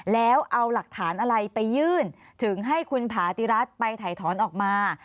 แล้วเอาหลักฐานอะไรไปยื่นถึงให้คุณผาติรัฐไปถ่ายถอนออกมา